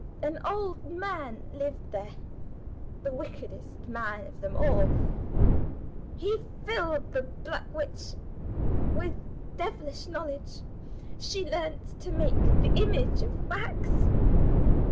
An old man lived there; the wickedest man of them all. He filled the black Witch with devilish knowledge. She learned to make the image of wax.